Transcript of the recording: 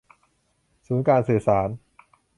ศูนย์การสื่อสาร